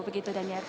begitu dan ya